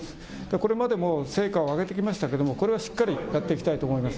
これまでも成果を上げてきましたけどもこれはしっかりやっていきたいと思います。